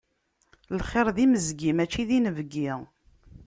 Lxiṛ d imezgi, mačči d inebgi.